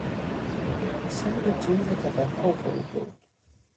سر به جیب تفکر فرو برد.